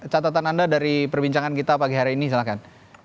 catatan anda dari perbincangan kita pagi hari ini silahkan